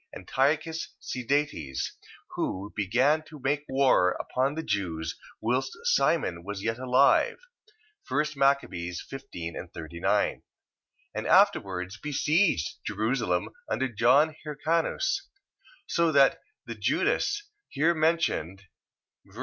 Antiochus Sidetes, who began to make war upon the Jews, whilst Simon was yet alive. 1 Mac. 15.39. And afterwards besieged Jerusalem under John Hircanus. So that the Judas here mentioned, ver.